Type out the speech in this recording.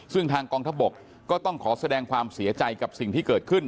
ซึ่งทางกองทัพบกก็ต้องขอแสดงความเสียใจกับสิ่งที่เกิดขึ้น